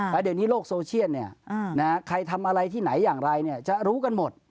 แล้วเดี๋ยวนี้โลกโซเชียลใครทำอะไรที่ไหนอย่างไรจะรู้กันหมด